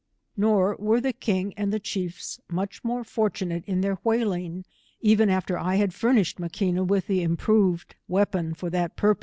Nor were the king and chiefs much more fortu nate in their whaling, even after I had furnished Maquina with the improved weapon for that pnr